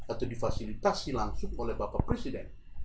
atau difasilitasi langsung oleh bapak presiden